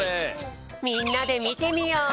みんなでみてみよう！